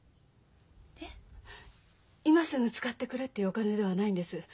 今すぐ使ってくれっていうお金ではないんです。